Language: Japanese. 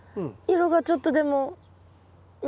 色がちょっとでも緑。